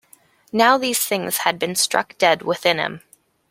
Now these things had been struck dead within him.